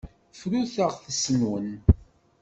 Frut taɣtest-nwen.